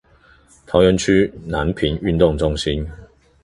桃園區南平運動中心